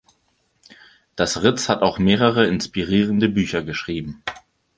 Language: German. Das Ritz hat auch mehrere inspirierende Bücher geschrieben.